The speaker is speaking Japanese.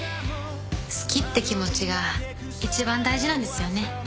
好きって気持ちが一番大事なんですよね。